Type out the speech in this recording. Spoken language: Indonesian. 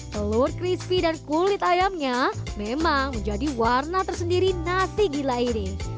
telur crispy dan kulit ayamnya memang menjadi warna tersendiri nasi gila ini